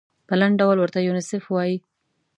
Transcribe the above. په لنډ ډول ورته یونیسف وايي.